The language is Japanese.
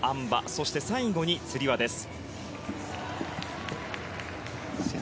そして、最後につり輪です。